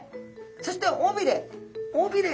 そして尾びれ。